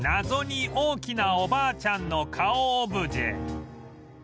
謎に大きなおばあちゃんの顔オブジェ